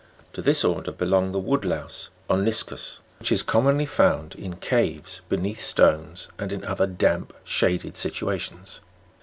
To this order belongs tiie wood louse Oniscus {fig. 67) which is com monly found in caves, beneath stones, and in other damp, shaded situations.